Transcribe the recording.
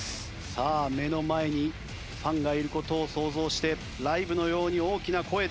さあ目の前にファンがいる事を想像してライブのように大きな声で。